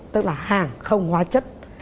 tức là hàng không hóa chất